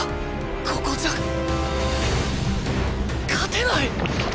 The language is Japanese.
ここじゃ勝てない！！